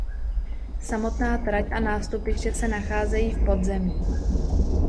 Samotná trať a nástupiště se nacházejí v podzemí.